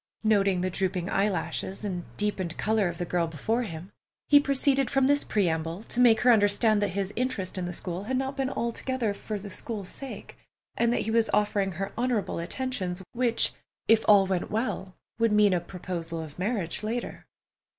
Noting the drooping eyelashes, and deepened color of the girl before him, he proceeded from this preamble to make her understand that his interest in the school had not been altogether for the school's sake, and that he was offering her honorable attentions, which, if all went well, would mean a proposal of marriage later.